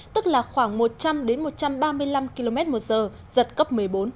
tức là khoảng một trăm linh một trăm ba mươi năm km một giờ giật cấp một mươi bốn